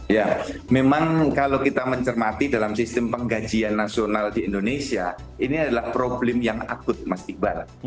ya memang kalau kita mencermati dalam sistem penggajian nasional di indonesia ini adalah problem yang akut mas iqbal